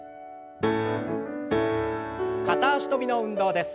片脚跳びの運動です。